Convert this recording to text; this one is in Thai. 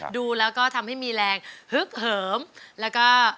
ดูแล้วก็ทำให้มีแรงฮึกเหิมแล้วก็